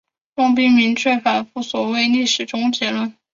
杨光斌明确反对所谓历史终结论。